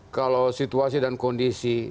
kalau situasi dan kondisi